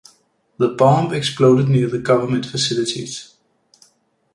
The bomb exploded near Government facilities.